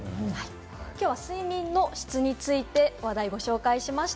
きょうは睡眠の質について話題をご紹介しました。